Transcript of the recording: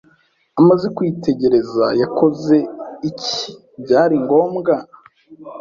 Amaze kwitegereza yakoze iki byari ngombwa